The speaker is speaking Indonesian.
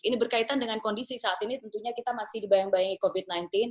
ini berkaitan dengan kondisi saat ini tentunya kita masih dibayang bayangi covid sembilan belas